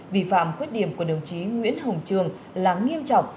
vi phạm khuyết điểm của đồng chí nguyễn hồng trường là nghiêm trọng